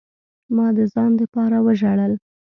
ما د ځان د پاره وجړل.